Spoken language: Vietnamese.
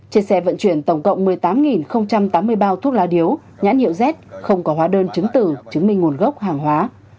trên xe vận chuyển tổng cộng một mươi tám tám mươi bao thuốc lá điếu nhãn hiệu z không có hóa đơn chứng tử chứng minh nguồn gốc hàng hóa